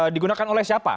digunakan oleh siapa